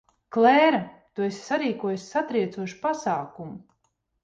Klēra, tu esi sarīkojusi satriecošu pasākumu.